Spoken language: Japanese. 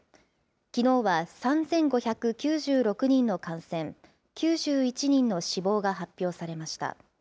きのうは３５９６人の感染、９１人の死亡が発表されました。